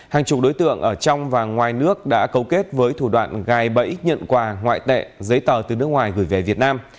hàng chục đối tượng ở trong và ngoài nước đã cấu kết với thủ đoạn gài bẫy nhận quà ngoại tệ giấy tờ từ nước ngoài gửi về việt nam